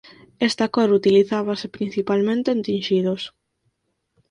Esta cor utilizábase principalmente en tinxidos.